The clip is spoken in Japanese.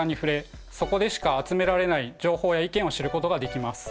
そこでしか集められない情報や意見を知ることができます。